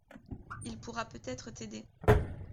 Il pourra peut-être t’aider.